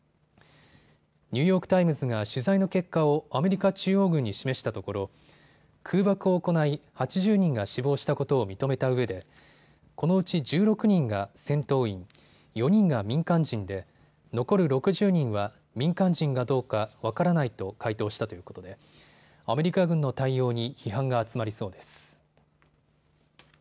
ニューヨーク・タイムズが取材の結果をアメリカ中央軍に示したところ空爆を行い８０人が死亡したことを認めたうえでこのうち１６人が戦闘員、４人が民間人で残る６０人は民間人かどうか分からないと回答したということでアメリカ軍の対応に批判が集まりそうです。